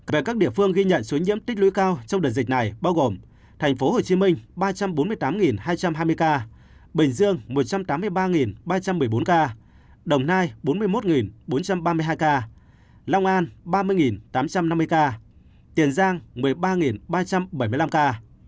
về các địa phương ghi nhận số nhiễm tích lũy cao trong đợt dịch này bao gồm tp hcm ba trăm bốn mươi tám hai trăm hai mươi ca bình dương một trăm tám mươi ba ba trăm một mươi bốn ca đồng nai bốn mươi một bốn trăm ba mươi hai ca long an ba mươi tám trăm năm mươi ca tiền giang một mươi ba ba trăm bảy mươi năm ca